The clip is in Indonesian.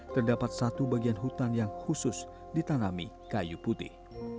terdapat satu bagian hutan yang khusus ditanami kayu putih